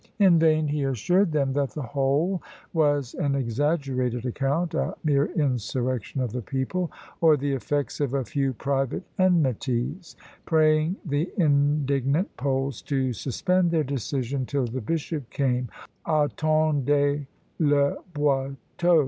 In vain he assured them that the whole was an exaggerated account, a mere insurrection of the people, or the effects of a few private enmities, praying the indignant Poles to suspend their decision till the bishop came: "Attendez le Boiteux!"